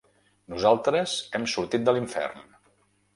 Nosaltres hem sortit de l'infern.